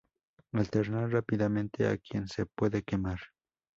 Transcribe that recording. Alternar rápidamente a quien se puede quemar.